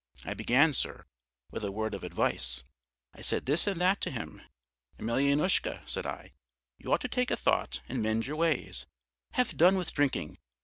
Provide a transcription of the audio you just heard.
I began, sir, with a word of advice: I said this and that to him. 'Emelyanoushka,' said I, 'you ought to take a thought and mend your ways. Have done with drinking!